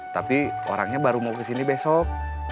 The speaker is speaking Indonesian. tapi orangnya baru mau kesini besok